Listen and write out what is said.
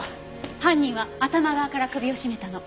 犯人は頭側から首を絞めたの。